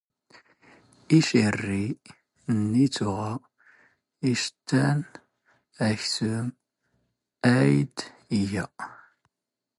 ⵉⵛⵉⵔⵔⵉ ⵏⵏⵉ ⵜⵓⵖⴰ ⵉⵛⵜⵜⴰⵏ ⴰⴽⵙⵓⵎ ⴰⵢⴷ ⵉⴳⴰ.